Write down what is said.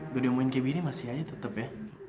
udah diomongin kayak gini masih aja tetep ya